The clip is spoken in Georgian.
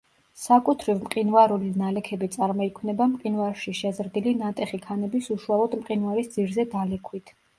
საკუთრივ მყინვარული ნალექები წარმოიქმნება მყინვარში შეზრდილი ნატეხი ქანების უშუალოდ მყინვარის ძირზე დალექვით.